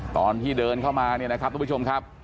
ตอนที่เดินเข้ามาเนี่ยนะครับทุกผู้ชมครับ